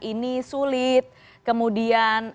ini sulit kemudian